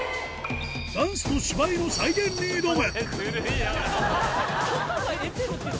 ダンスと芝居の再現に挑む